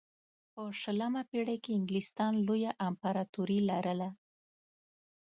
په شلمه پېړۍ کې انګلستان لویه امپراتوري لرله.